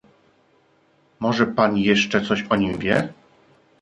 "Może pan jeszcze coś o nim wie?"